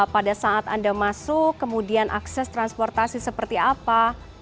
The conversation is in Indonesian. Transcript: pada saat anda masuk kemudian akses transportasi seperti apa